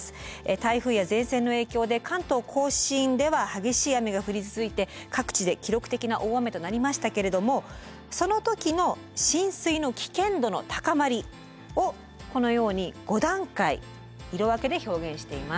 台風や前線の影響で関東甲信では激しい雨が降り続いて各地で記録的な大雨となりましたけれどもその時の浸水の危険度の高まりをこのように５段階色分けで表現しています。